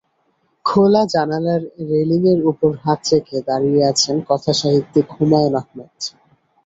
খোলা জানালার রেলিংয়ের ওপর হাত রেখে দাঁড়িয়ে আছেন কথাসাহিত্যিক হুমায়ূন আহমেদ।